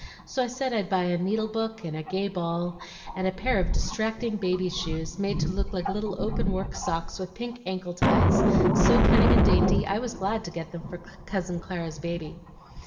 So I said I'd buy a needle book, and a gay ball, and a pair of distracting baby's shoes, made to look like little open work socks with pink ankle ties, so cunning and dainty, I was glad to get them for Cousin Clara's baby.